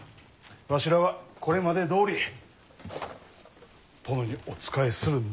わしらはこれまでどおり殿にお仕えするのみ。